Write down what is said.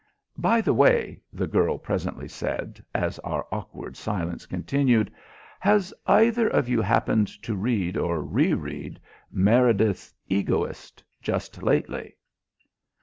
"By the way," the girl presently said, as our awkward silence continued, "has either of you happened to read, or re read, Meredith's 'Egoist' just lately?"